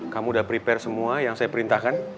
kamu sudah prepare semua yang saya perintahkan